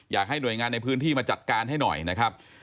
อยากให้หน่วยงานในพื้นที่มาจัดการให้หน่อยนะครับ